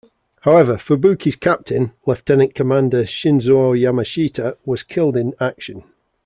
However, "Fubuki"'s captain, Lieutenant Commander Shizuo Yamashita was killed in action.